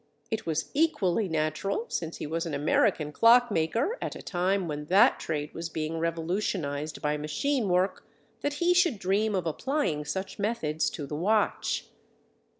It was equally natural, since he was an American clock maker at a time when that trade was being revolutionized by machine work, that he should dream of applying such methods to the watch.